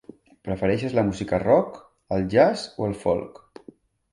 Prefereixes la música rock, el jazz o el folk?